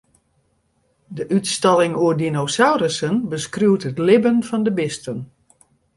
De útstalling oer dinosaurussen beskriuwt it libben fan de bisten.